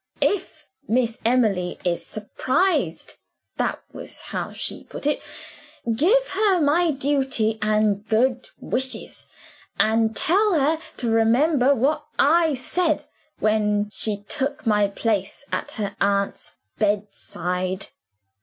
'If Miss Emily is surprised' (that was how she put it) 'give her my duty and good wishes; and tell her to remember what I said, when she took my place at her aunt's bedside.